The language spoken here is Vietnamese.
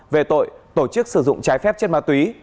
về tội tổ chức sử dụng trái phép chất ma túy